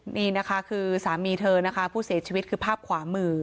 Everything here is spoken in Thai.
นี่นะคะคือสามีเธอนะคะผู้เสียชีวิตคือภาพขวามือ